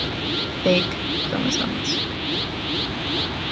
“Big” chromosomes.